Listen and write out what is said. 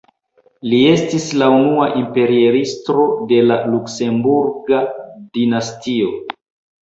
Li estis la unua imperiestro de la Luksemburga dinastio.